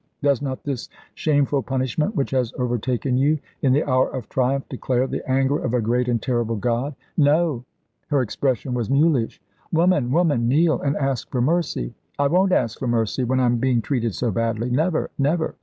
Does not this shameful punishment which has overtaken you in the hour of triumph declare the anger of a great and terrible God." "No!" Her expression was mulish. "Woman! woman! Kneel and ask for mercy." "I won't ask for mercy when I'm being treated so badly. Never! never!